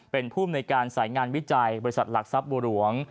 เป็นภูมิในการสายงานวิจัยบริษัทหลักทรัพย์บัวหลวง